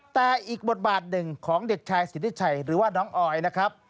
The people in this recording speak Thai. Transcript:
แต่อีกบทบาทหนึ่งของเด็กชายสิทธิชัยหรือว่าน้องออยนะครับ